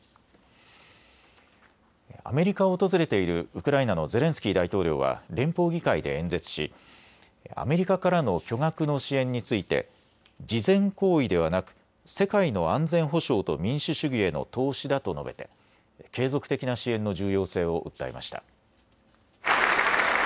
アメリカを訪れているウクライナのゼレンスキー大統領は連邦議会で演説しアメリカからの巨額の支援について慈善行為ではなく世界の安全保障と民主主義への投資だと述べて継続的な支援の重要性を訴えました。